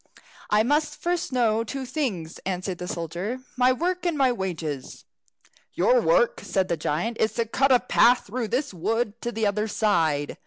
"I must first know two things," answered the soldier; "my work and my wages." "Your work," said the giant, "is to cut a path through this wood to the other side.